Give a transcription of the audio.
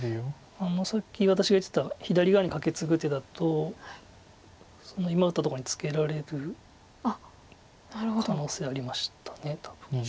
さっき私が言ってた左側にカケツグ手だと今打ったとこにツケられる可能性ありました多分。